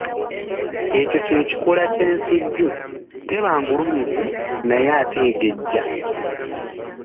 Ekyo kye kikula ky’ensujju, teba ngulumivu naye ate egejja.